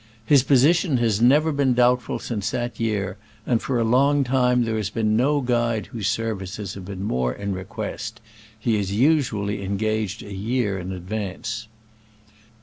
His posi tion has never been doubtful since that year, and for a longtime there has been no guide whose services have been more in request : he is usually engaged a year in advance.